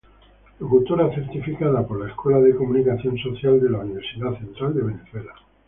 Locutora certificada por la Escuela de Comunicación Social de la Universidad Central de Venezuela.